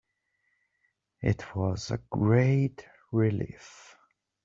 It was a great relief